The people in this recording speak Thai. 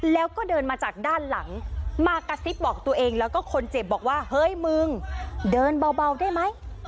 แล้วก็เดินมาจากด้านหลังมากระซิบบอกตัวเองแล้วก็คนเจ็บบอกว่าเฮ้ยมึงเดินเบาได้ไหม